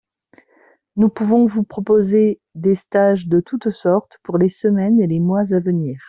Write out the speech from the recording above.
nous pouvons vous proposer des stages de toutes sortes pour les semaines et les mois à venir.